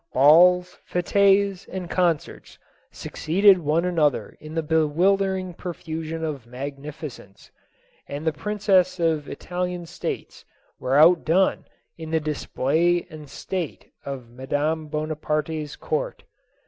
Balls, fetes and concerts succeeded one another in bewildering profusion and magnificence, and the princes of the Ital ian states were outdone in the display and state of Madame Bonaparte's court.